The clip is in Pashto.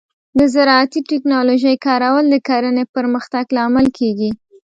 د زراعتي ټیکنالوجۍ کارول د کرنې پرمختګ لامل کیږي.